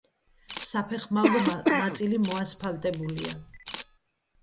საფეხმავლო ნაწილი მოასფალტებულია.